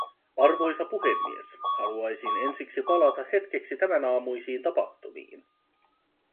Arvoisa puhemies, haluaisin ensiksi palata hetkeksi tämänaamuisiin tapahtumiin.